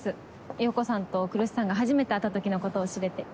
洋子さんと来栖さんが初めて会ったときのことを知れて。